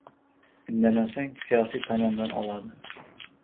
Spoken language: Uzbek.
Indamasang «siyosiy tomon»dan oladi!